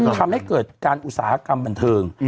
ทำให้เกิดการอุตสาหกรรมบันเทิง